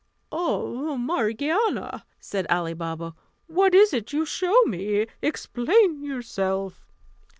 "Ah, Morgiana," said Ali Baba, "what is it you show me? Explain yourself."